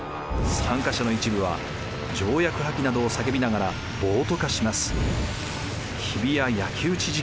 参加者の一部は条約破棄などを叫びながら暴徒化します。